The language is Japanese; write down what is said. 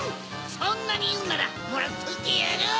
そんなにいうならもらっといてやる！